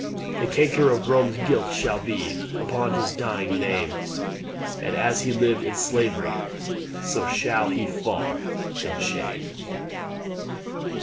The canker of Rome's guilt shall be Upon his dying name; And as he lived in slavery, So shall he fall in shame.